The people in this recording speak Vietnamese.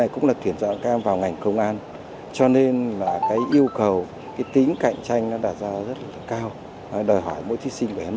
cảm ơn các cán bộ coi thi